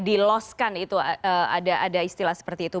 diloskan itu ada istilah seperti itu